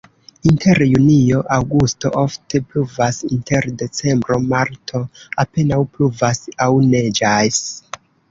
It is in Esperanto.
Inter junio-aŭgusto ofte pluvas, inter decembro-marto apenaŭ pluvas aŭ neĝas.